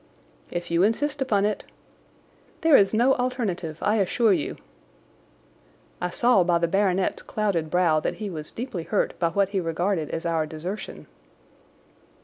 "If you insist upon it." "There is no alternative, I assure you." I saw by the baronet's clouded brow that he was deeply hurt by what he regarded as our desertion.